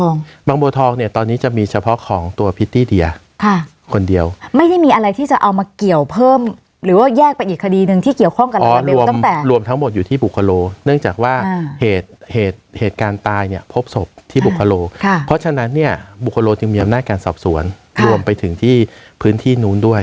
บางบัวทองเนี่ยตอนนี้จะมีเฉพาะของตัวพิตตี้เดียค่ะคนเดียวไม่ได้มีอะไรที่จะเอามาเกี่ยวเพิ่มหรือว่าแยกไปอีกคดีหนึ่งที่เกี่ยวข้องกับเรารวมตั้งแต่รวมทั้งหมดอยู่ที่บุคโลเนื่องจากว่าเหตุเหตุการณ์ตายเนี่ยพบศพที่บุคโลค่ะเพราะฉะนั้นเนี่ยบุคโลจึงมีอำนาจการสอบสวนรวมไปถึงที่พื้นที่นู้นด้วย